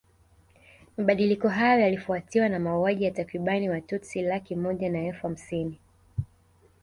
Mabadiliko haya yalifuatiwa na mauaji ya takriban Watutsi laki moja na elfu hamsini